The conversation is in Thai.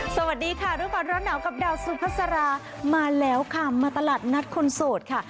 สวัสดีค่ะรู้ก่อนร้อนหนาวกับดาวสุภาษามาแล้วค่ะมาตลาดนัดคนโสดค่ะ